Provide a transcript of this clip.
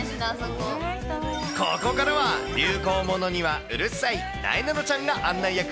ここからは流行物にはうるさいなえなのちゃんが案内役。